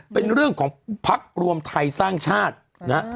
เป็นเรื่องของพักรวมไทยสร้างชาตินะฮะ